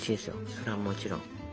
それはもちろん。